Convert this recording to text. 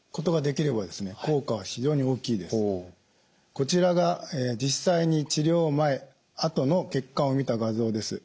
こちらが実際に治療前あとの血管を見た画像です。